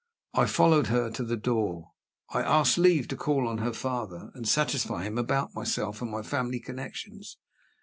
I followed her to the door. I asked leave to call on her father, and satisfy him about myself and my family connections.